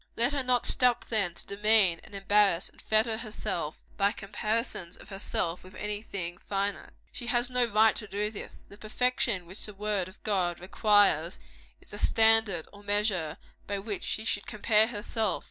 Let her not stop, then, to demean, and embarrass, and fetter herself by comparisons of herself with any thing finite. She has no right to do this. The perfection which the word of God requires, is the standard or measure by which she should compare herself.